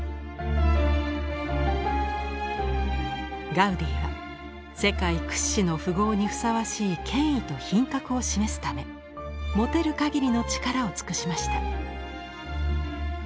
ガウディは世界屈指の富豪にふさわしい権威と品格を示すため持てるかぎりの力を尽くしました。